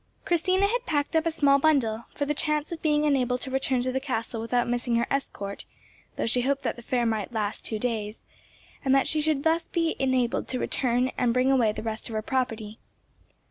Christina had packed up a small bundle, for the chance of being unable to return to the castle without missing her escort, though she hoped that the fair might last two days, and that she should thus be enabled to return and bring away the rest of her property.